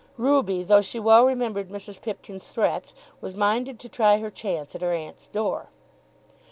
Ruby, though she well remembered Mrs. Pipkin's threats, was minded to try her chance at her aunt's door.